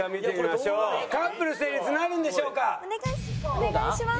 お願いします。